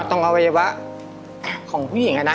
ตรงอวัยวะของผู้หญิงอะนะ